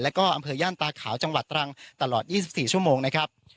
แล้วก็อำเภอย่านตาขาวจังหวัดตรังตลอด๒๔ชั่วโมงนะครับ